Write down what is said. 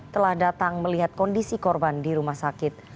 telah datang melihat kondisi korban di rumah sakit